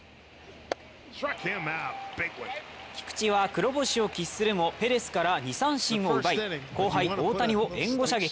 菊池は黒星を喫するもペレスから２三振を奪い、後輩・大谷を援護射撃。